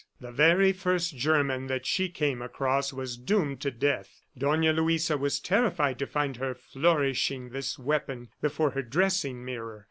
The very first German that she came across was doomed to death. Dona Luisa was terrified to find her flourishing this weapon before her dressing mirror.